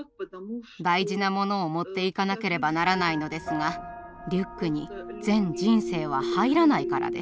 大事なものを持っていかなければならないのですがリュックに全人生は入らないからです。